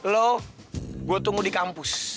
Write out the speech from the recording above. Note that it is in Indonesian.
lo gue tunggu di kampus